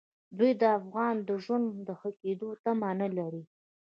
دوی د افغان د ژوند د ښه کېدو تمه نه لري.